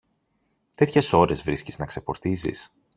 Τέτοιες ώρες βρίσκεις να ξεπορτίζεις;